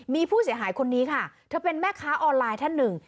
มีผู้เสียหายคนนี้ค่ะเธอเป็นแม่ค้าออนไลน์ท่านหนึ่ง